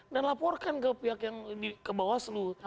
dan laporkan ke pihak yang di bawastu